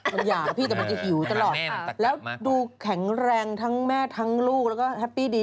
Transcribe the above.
มันหย่าพี่แต่มันจะหิวตลอดแล้วดูแข็งแรงทั้งแม่ทั้งลูกแล้วก็แฮปปี้ดี